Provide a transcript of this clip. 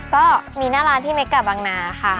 ก็มีหน้าร้านที่เม็กกะบางนาค่ะ